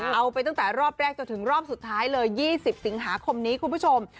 เอาไปตั้งแต่รอบแรกจนถึงรอบสุดท้ายเลย๒๐สิงหาคมนี้คุณผู้ชม